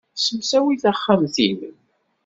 Ssemsawi taxxamt-nnem.